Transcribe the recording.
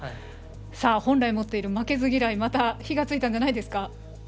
本来持っている負けず嫌いにまた火がついたんじゃないんですか。